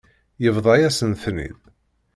Yebḍa-yasen-ten-id.